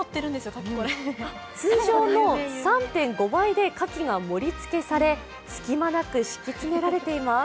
通常の３．５倍でカキが盛りつけされ隙間なく敷き詰められています。